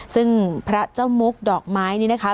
ซึ่งพระเจ้ามุกดอกไม้นี่นะคะ